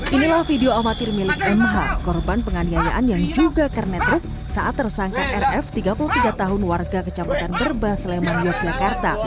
inilah video amatir milik mh korban penganiayaan yang juga kernetruk saat tersangka rf tiga puluh tiga tahun warga kecamatan berbah sleman yogyakarta